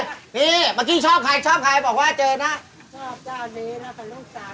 นี่เมื่อกี้ชอบใครชอบใครบอกว่าเจอนะชอบเจ้านี้นะเป็นลูกสาว